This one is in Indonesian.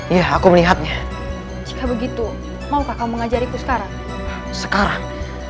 iya aku melihatnya jika begitu maukah mengajariku sekarang sekarang